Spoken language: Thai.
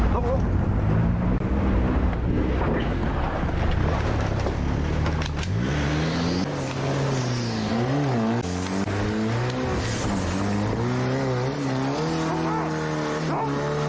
ลงลง